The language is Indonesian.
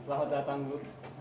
selamat datang bu